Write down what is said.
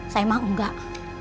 saya mah enggak